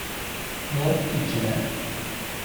Lord Kitchener